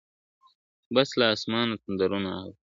بس له اسمانه تندرونه اوري ..